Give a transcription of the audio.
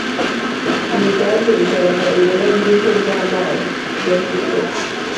iyi gaz igabanya ireme bwite ry'amazi (Densite)